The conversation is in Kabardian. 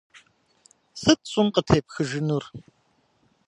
Сыт щӏым къытепхыжынур?